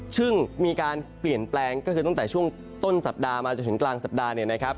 ซึ่งมีการเปลี่ยนแปลงก็คือตั้งแต่ช่วงต้นสัปดาห์มาจนถึงกลางสัปดาห์เนี่ยนะครับ